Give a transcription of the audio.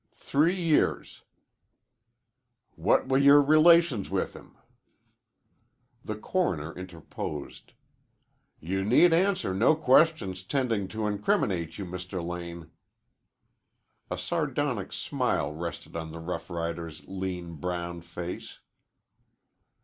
"Three years." "What were your relations with him?" The coroner interposed. "You need answer no questions tending to incriminate you, Mr. Lane." A sardonic smile rested on the rough rider's lean, brown face.